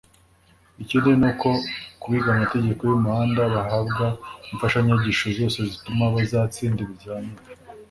ikindi ni uko ku biga amategeko y’umuhanda bahabwa imfashanyigisho zose zituma bazatsinda ibizamini